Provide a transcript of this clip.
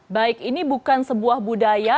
baik ini bukan sebuah budaya